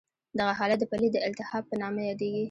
دغه حالت د پلې د التهاب په نامه یادېږي.